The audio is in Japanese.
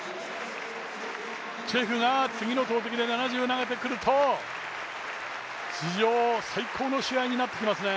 チェフが次の投てきで７０を投げてくると史上最高の試合になってきますね。